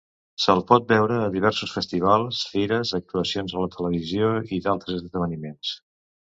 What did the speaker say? Se'l pot veure a diversos festivals, fires, actuacions a la televisió i d'altres esdeveniments.